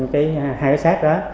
hai cái xác đó